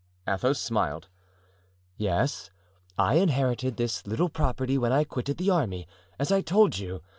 Athos smiled. "Yes, I inherited this little property when I quitted the army, as I told you.